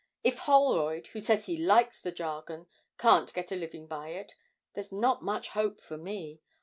If Holroyd (who says he likes the jargon) can't get a living by it, there's not much hope for me.